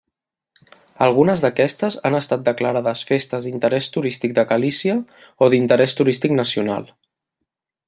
Algunes d'aquestes han estat declarades Festes d'interès turístic de Galícia o d'Interès turístic nacional.